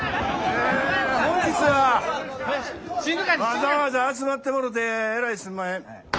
わざわざ集まってもろてえらいすんまへん。